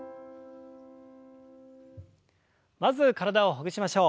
まず体をほぐしましょう。